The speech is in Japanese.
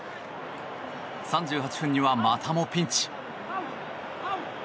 ３８分にはまたもピンチ。